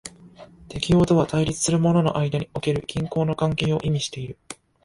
適応とは対立するものの間における均衡の関係を意味している。